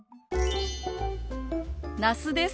那須です。